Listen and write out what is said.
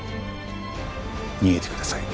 逃げてください。